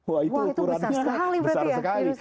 wah itu ukuran besar sekali